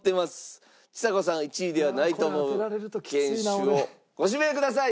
ちさ子さんが１位ではないと思う犬種をご指名ください！